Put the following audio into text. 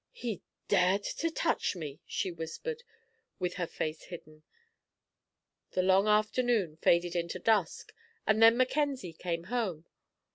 "He dared to touch me!" she whispered, with her face hidden. The long afternoon faded into dusk, and then Mackenzie came home.